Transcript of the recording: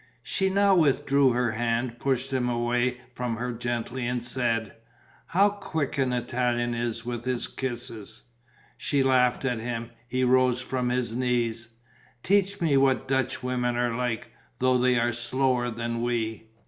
She now withdrew her hand, pushed him away from her gently and said: "How quick an Italian is with his kisses!" She laughed at him. He rose from his knees: "Teach me what Dutchwomen are like, though they are slower than we."